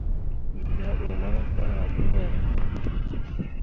We laa bə mai mo faara gŋ be ne?